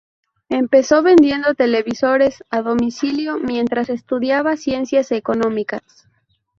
Empezó vendiendo televisores a domicilio mientras estudiaba Ciencias Económicas.